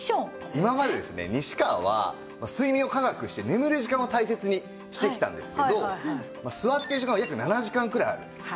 今までですね西川は睡眠を科学して眠る時間を大切にしてきたんですけど座ってる時間は約７時間くらいある。